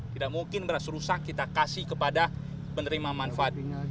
tidak mungkin beras rusak kita kasih kepada penerima manfaat